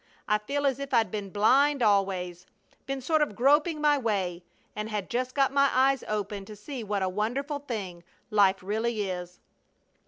I feel as if I'd been blind always, been sort of groping my way, and had just got my eyes open to see what a wonderful thing life really is."